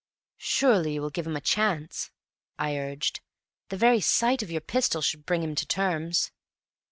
"Surely you will give him a chance!" I urged. "The very sight of your pistol should bring him to terms."